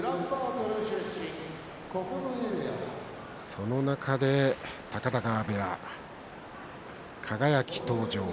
その中で高田川部屋輝が登場